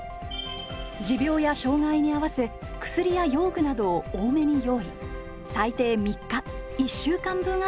持病や障害に合わせ薬や用具などを多めに用意。